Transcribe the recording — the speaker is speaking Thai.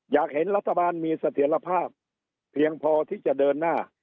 อยากเห็นรัฐบาลมีเสถียรภาพเพียงพอที่จะเดินหน้า